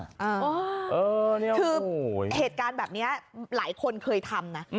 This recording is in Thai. คือเหตุการณ์แบบนี้หลายคนเคยทำนะ